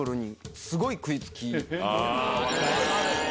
分かる！